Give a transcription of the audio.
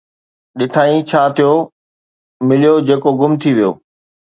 ڏٺائين ڇا ٿيو، مليو جيڪو گم ٿي ويو